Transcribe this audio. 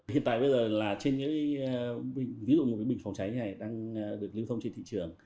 hiện tại bây giờ là trên những bình phòng cháy này đang được lưu thông trên thị trường